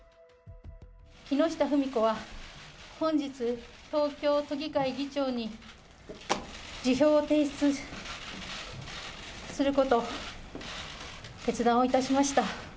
木下富美子は本日、東京都議会議長に、辞表を提出することを決断をいたしました。